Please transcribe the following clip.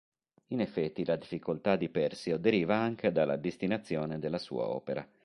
In effetti, la difficoltà di Persio deriva anche dalla destinazione della sua opera.